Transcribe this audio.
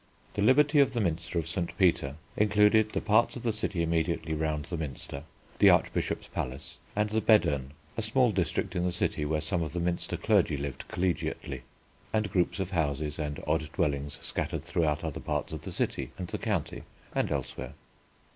The Liberty of the Minster of St. Peter included the parts of the city immediately round the Minster, the Archbishop's Palace, and the Bedern (a small district in the city where some of the Minster clergy lived collegiately), and groups of houses and odd dwellings scattered throughout other parts of the city and the county and elsewhere.